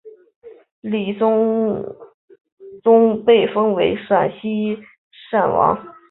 李继崇被封为陇西郡王。